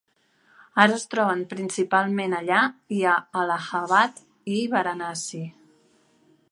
Ara es troben principalment allà i a Allahabad i Varanasi.